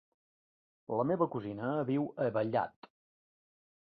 La meva cosina viu a Vallat.